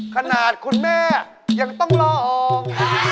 ขนาดคุณแม่ยังต้องลอง